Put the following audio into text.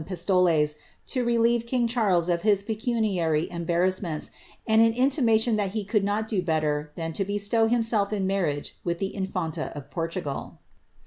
pistoles, to relieve king Charles of his pecuniary einfaanMHiients, aiidaa intiroatioQ that he could not do better than to bMtow himself in marriafe with the infanta of Portugal."'